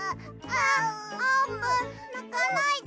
あっあーぷんなかないで。